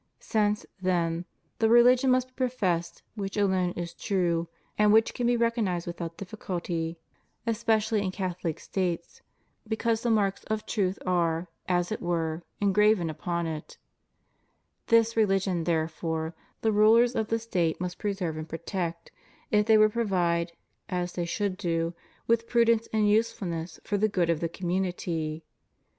Since, then, the profession of one religion is necessary in the State, that religion must be professed which alone is true, and which can be recognized withoi't difficulty, especiall)' in Catholic HUMAN LIBERTY. 151 States, because the marks of truth are, as it were, en graven upon it. This religion, therefore, the rulers of the State must preserve and protect, if they would provide — as they should do — with prudence and usefulness for the good of the community.